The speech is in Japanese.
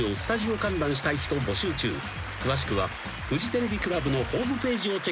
［詳しくはフジテレビクラブのホームページをチェック］